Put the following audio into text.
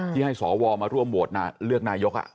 ที่ให้สวมาร่วมโหวตเลือกนายก